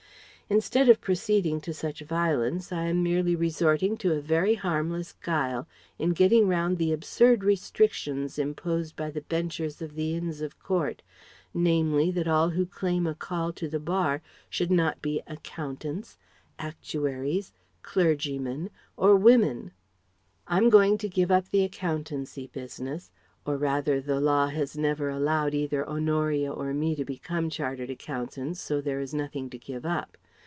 Instead of proceeding to such violence I am merely resorting to a very harmless guile in getting round the absurd restrictions imposed by the benchers of the Inns of Court, namely that all who claim a call to the Bar should not be accountants, actuaries, clergymen or women. I am going to give up the accountancy business or rather, the law has never allowed either Honoria or me to become chartered accountants, so there is nothing to give up.